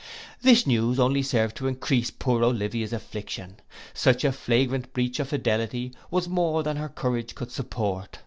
This news only served to encrease poor Olivia's affliction; such a flagrant breach of fidelity, was more than her courage could support.